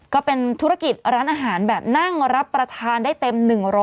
ก็เป็นธุรกิจร้านอาหารแบบนั่งรับประทานได้เต็ม๑๐๐